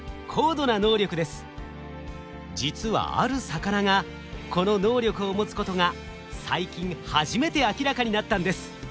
実はある魚がこの能力を持つことが最近初めて明らかになったんです。